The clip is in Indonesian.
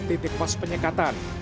titik pos penyekatan